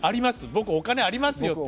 僕お金ありますよ」って。